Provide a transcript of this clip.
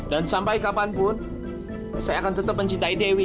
dan sampai kapanpun saya akan tetap mencintai dewi